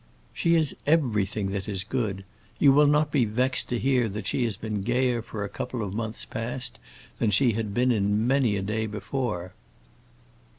"She is everything that is good. You will not be vexed to hear that she has been gayer for a couple of months past than she had been in many a day before."